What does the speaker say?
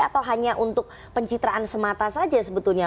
atau hanya untuk pencitraan semata saja sebetulnya